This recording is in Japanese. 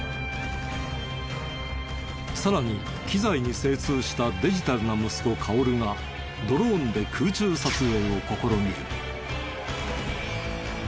さらに機材に精通したデジタルな息子薫がドローンで空中撮影を試みる。